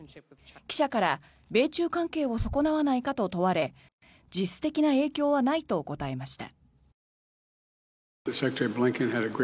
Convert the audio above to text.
記者から米中関係を損なわないかと問われ実質的な影響はないと答えました。